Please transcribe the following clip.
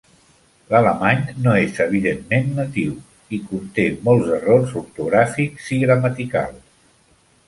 L'alemany no és evidentment natiu, i conté molts errors ortogràfics i gramaticals.